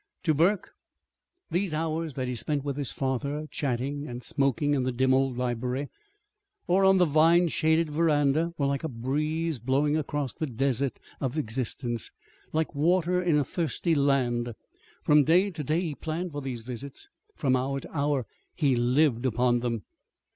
To Burke, these hours that he spent with his father chatting and smoking in the dim old library, or on the vine shaded veranda, were like a breeze blowing across the desert of existence like water in a thirsty land. From day to day he planned for these visits. From hour to hour he lived upon them.